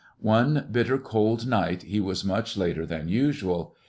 One bitter cold night he was much later than usual.